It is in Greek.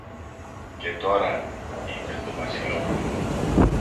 Και τώρα, είπε το Βασιλόπουλο